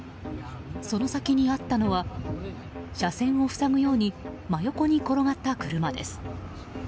その先にあったのは車線をふさぐように真横に転がった車です。